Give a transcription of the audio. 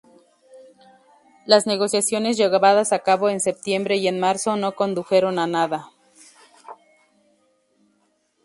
Las negociaciones llevadas a cabo en septiembre y en marzo no condujeron a nada.